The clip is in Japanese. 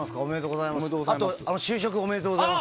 おめでとうございます。